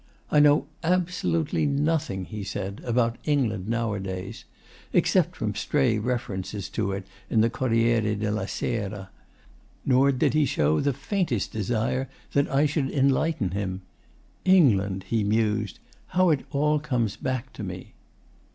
'I know absolutely nothing,' he said, 'about England nowadays except from stray references to it in the Corriere della Sera; nor did he show the faintest desire that I should enlighten him. 'England,' he mused, ' how it all comes back to me!